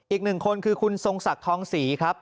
อีกหนึ่งคนคือคุณทรงศักดิ์ทองศรีครับ